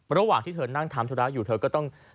ระหว่างที่เธอนั่งทำธุระอยู่เธอก็ต้อง